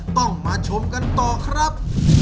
ต้องมาชมกันต่อครับ